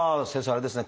あれですね